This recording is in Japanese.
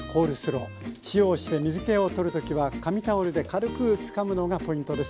塩をして水けを取る時は紙タオルで軽くつかむのがポイントです。